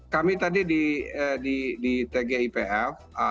kami tadi di tgipf